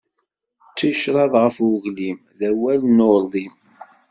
D ticraḍ ɣef uglim, d awal ur nerdim.